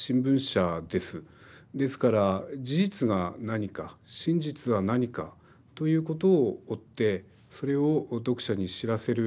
ですから事実が何か真実は何かということを追ってそれを読者に知らせる。